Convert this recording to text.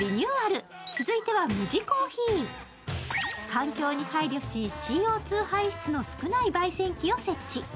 環境に配慮し、ＣＯ２排出の少ない焙煎機を設置。